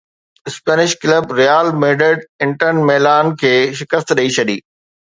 Spanish club Real Madrid Inter Milan کي شڪست ڏئي ڇڏي